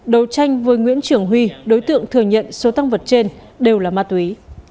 đấu tranh với nguyễn trường huy đối tượng thừa nhận số tăng vật trên đều là ma túy